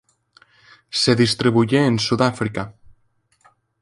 Se distribuye en Sudáfrica.